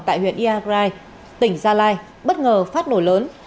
tại huyện yagrai tỉnh gia lai bất ngờ phát nổi lớn